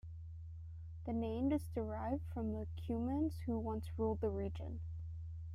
The name is derived from the Cumans who once ruled the region.